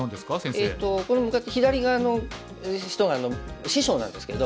えっとこれ向かって左側の人が師匠なんですけど。